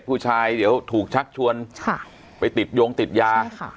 ผู้ชายเดี๋ยวถูกชักชวนค่ะไปติดโยงติดยาใช่ค่ะ